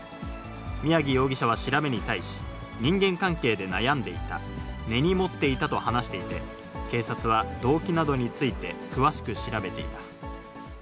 宮城容疑者は調べに対し、人間関係で悩んでいた、根に持っていたと話していて、警察は動機などについて詳しく調べています。